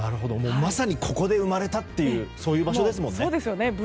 まさに、ここで生まれたという場所ですもんね。